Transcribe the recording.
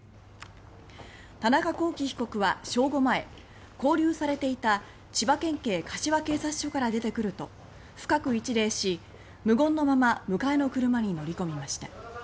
田中聖被告は正午前勾留されていた千葉県警柏警察署から出てくると深く一礼し無言のまま迎えの車に乗り込みました。